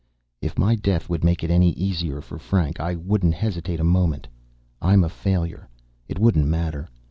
"If my death would make it any easier for Frank, I wouldn't hesitate a moment. I'm a failure. It wouldn't matter.